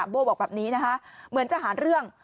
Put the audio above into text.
โบ้ตอบหน่อย